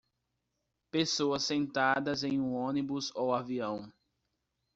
Pessoas sentadas em um ônibus ou avião.